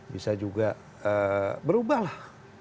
bisa juga berubah lah